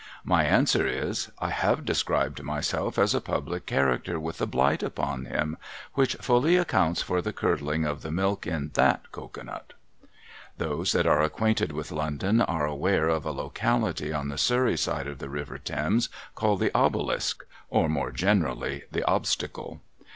My answer is, I have described myself as a public character with a blight upon him^ — which fully accounts for the curdling of the milk in that cocoa nut. Those that are acquainted with London are aware of a locality on the Surrey side of the river Thames, called the Obelisk, or, more generally, the Obstacle.